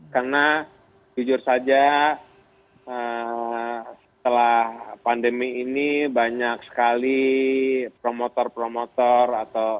karena jujur saja setelah pandemi ini banyak sekali promotor promotor atau